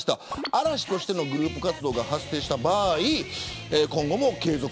嵐としてのグループ活動が発生した場合、今後も継続。